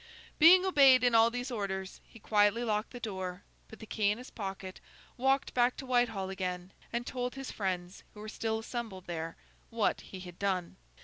Being obeyed in all these orders, he quietly locked the door, put the key in his pocket, walked back to Whitehall again, and told his friends, who were still assembled there, what he had done.